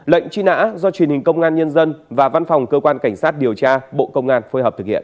lệnh truy nã do truyền hình công an nhân dân và văn phòng cơ quan cảnh sát điều tra bộ công an phối hợp thực hiện